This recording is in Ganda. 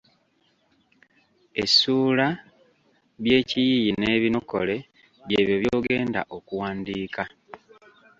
Essuula by’ekiyiiye n’ebinokole by’ebyo by’ogenda okuwandiika